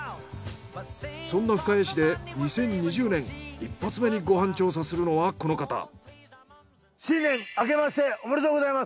そんな深谷市で２０２０年１発目にご飯調査するのはこの方。